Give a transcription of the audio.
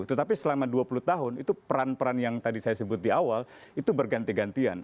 tetapi selama dua puluh tahun itu peran peran yang tadi saya sebut di awal itu berganti gantian